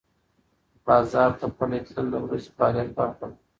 بازار ته پلي تلل د ورځې فعالیت برخه ده.